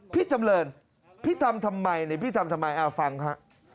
พี่จำเรินพี่ทำทำไมพี่ทำทำไมฟังฮะ